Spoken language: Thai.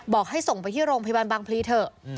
บอกให้ส่งไปที่โรงพยาบาลบางพลีเถอะ